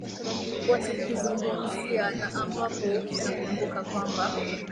watakizungumzia na ambapo unakumbuka kwamba